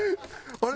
あれ？